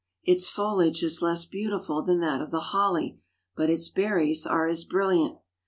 Its foliage is less beautiful than that of the holly, but its berries are as brilliant.